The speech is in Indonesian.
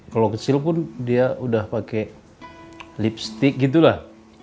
kalau kecil pun dia udah pakai lipstick gitu lah